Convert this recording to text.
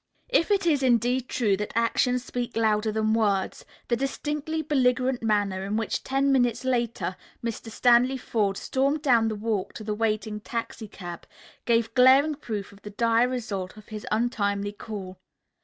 If it is indeed true that actions speak louder than words, the distinctly belligerent manner in which, ten minutes later, Mr. Stanley Forde stormed down the walk to the waiting taxicab, gave glaring proof of the dire result of his untimely call.